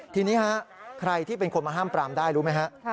ทีนี้ฮะใครที่เป็นคนมาห้ามปรามได้รู้ไหมฮะ